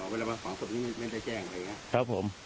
เวลามาฝังศพนี้ไม่ได้แจ้งอะไรอย่างนี้ครับผม